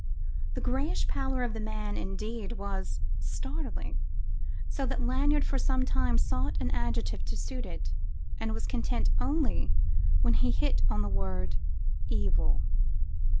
The grayish pallor of the man, indeed, was startling, so that Lanyard for some time sought an adjective to suit it, and was content only when he hit on the word evil.